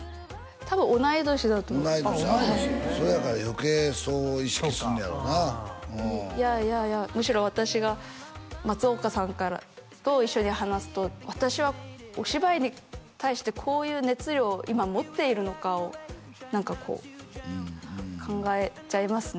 多分同い年だと同い年それやから余計そう意識すんねやろないやいやいやむしろ私が松岡さんと一緒に話すと私はお芝居に対してこういう熱量を今持っているのかを何かこう考えちゃいますね